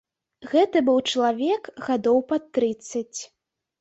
Гэта быў чалавек гадоў пад трыццаць.